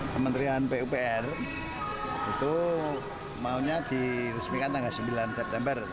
kementerian pupr itu maunya diresmikan tanggal sembilan september